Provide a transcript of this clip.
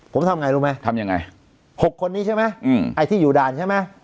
ผมทำยังไงรู้มั้ยทำยังไง๖คนนี้ใช่มั้ยไอ้ที่อยู่ด่านใช่มั้ย